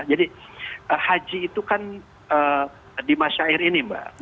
jadi haji itu kan di masyair ini mbak